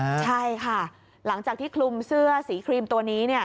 ใช่ค่ะหลังจากที่คลุมเสื้อสีครีมตัวนี้